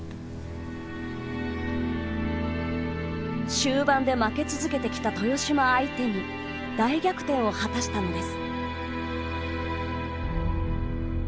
終盤で負け続けてきた豊島相手に大逆転を果たしたのです。